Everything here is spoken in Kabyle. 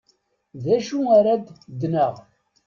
D acu ara ad d-naɣ?